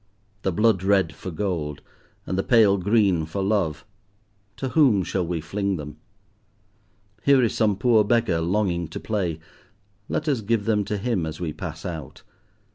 The blood red for gold, and the pale green for love, to whom shall we fling them? Here is some poor beggar longing to play, let us give them to him as we pass out.